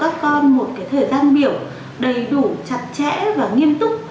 cần phải cho các con một cái thời gian biểu đầy đủ chặt chẽ và nghiêm túc